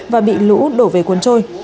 và bị lũ đổ về cuốn trôi